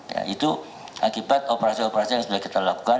nah itu akibat operasi operasi yang sudah kita lakukan